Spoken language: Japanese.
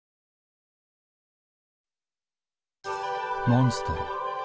モンストロ。